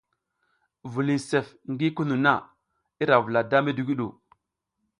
Viliy sef ngi kunu na, ira vula da midigwu ɗu.